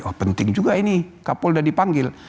oh penting juga ini kapolda dipanggil